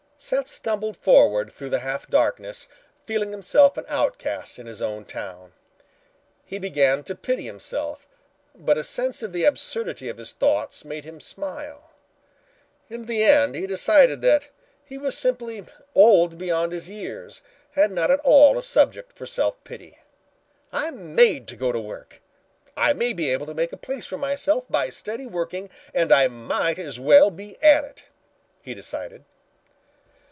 Seth stumbled forward through the half darkness, feeling himself an outcast in his own town. He began to pity himself, but a sense of the absurdity of his thoughts made him smile. In the end he decided that he was simply old beyond his years and not at all a subject for self pity. "I'm made to go to work. I may be able to make a place for myself by steady working, and I might as well be at it," he decided.